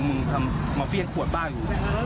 มันก็ทำมาเสียงขวดบ้างอยู่